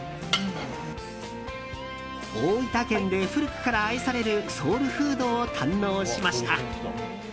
大分県で古くから愛されるソウルフードを堪能しました。